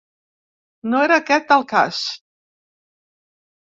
No era aquest el cas.